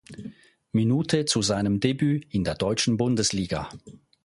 Minute zu seinem Debüt in der deutschen Bundesliga.